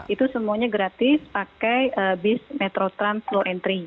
itu semuanya gratis pakai bis metro trans low entry